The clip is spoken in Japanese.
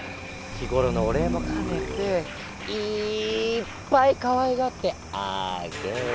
日ごろのおれいもかねていっぱいかわいがってあ・げ・る。